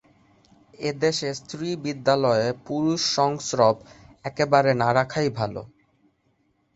এদেশে স্ত্রীবিদ্যালয়ে পুরুষ-সংস্রব একেবারে না রাখাই ভাল।